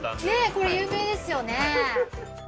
ねえこれ有名ですよね。